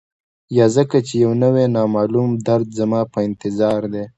یا ځکه چي یو نوی، نامعلوم درد زما په انتظار دی